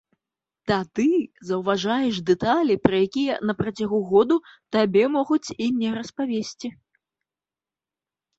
Тады заўважаеш дэталі, пра якія на працягу году табе могуць і не распавесці.